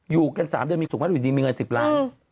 อยู่กัน๓เดือนมีสุขภาพอยู่ดีมีเงิน๑๐ล้าน